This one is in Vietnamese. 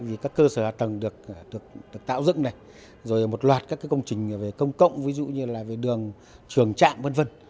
vì các cơ sở hạ tầng được tạo dựng này rồi một loạt các công trình về công cộng ví dụ như là về đường trường trạm v v